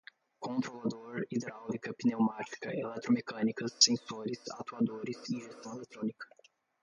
Controlador, hidráulica, pneumática, eletromecânicas, sensores, atuadores, injeção eletrônica